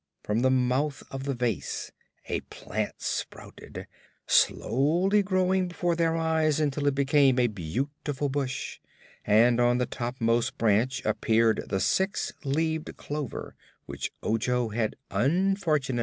From the mouth of the vase a plant sprouted, slowly growing before their eyes until it became a beautiful bush, and on the topmost branch appeared the six leaved clover which Ojo had unfortunately picked.